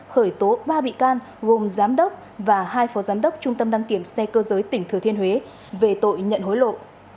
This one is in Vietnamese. khởi tố ba bị can gồm giám đốc và hai phó giám đốc trung tâm đăng kiểm xe cơ giới tỉnh thừa thiên huế về tội nhận hối lộ